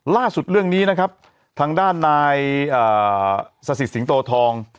ล่าสุดเรื่องนี้นะครับทางด้านนายอ่าสตร์ศิษย์สิงห์โตทอง